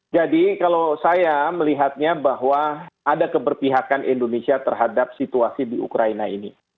jadi kalau saya melihatnya bahwa ada keberpihakan indonesia terhadap situasi di ukraina ini